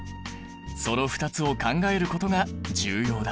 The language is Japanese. その２つを考えることが重要だ！